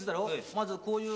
まずこういう。